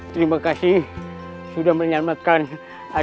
terima kasih sudah menyelamatkan